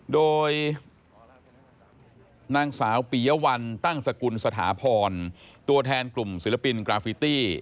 โดยนางสาวปียวัลตั้งสกุลสถาพรตัวแทนกลุ่มศิลปินกราฟิตี้